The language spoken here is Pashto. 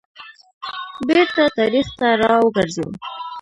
بیرته تاریخ ته را وګرځو.